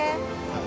はい。